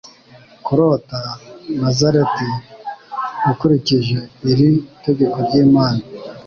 Kurota Nazareti ukurikije iri tegeko ry'Imana